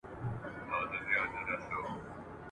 په تور یې د پردۍ میني نیولی جهاني یم ..